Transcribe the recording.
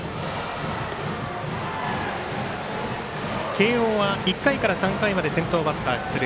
慶応は１回から３回まで先頭バッター出塁。